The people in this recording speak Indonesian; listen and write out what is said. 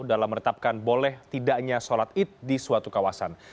dalam menetapkan boleh tidaknya sholat id di suatu kawasan